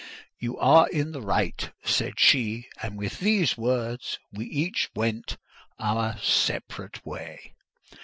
"You are in the right," said she; and with these words we each went our separate way.